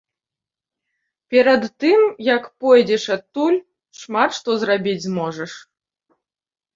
Перад тым, як пойдзеш адтуль, шмат што зрабіць зможаш.